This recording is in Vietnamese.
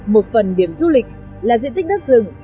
một phần điểm du lịch là diện tích đất rừng